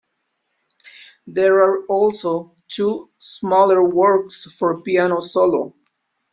There are also two smaller works for piano solo.